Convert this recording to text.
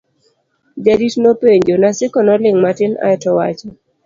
jarito nopenjo .Naseko noling' matin ae to owacho